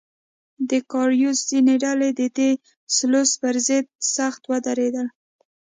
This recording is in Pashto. د کارایوس ځینې ډلې د ډي سلوس پر ضد سخت ودرېدل.